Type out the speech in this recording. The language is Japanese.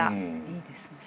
いいですね。